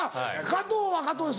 加藤は加藤で